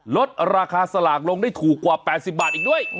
ลดราคาสลากลงได้ถูกกว่า๘๐บาทอีกด้วย